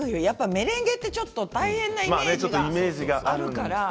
やっぱメレンゲってちょっと大変なイメージがあるから。